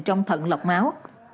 trong thận lọc máu